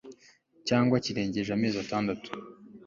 cyangwa kirengeje amezi atandatu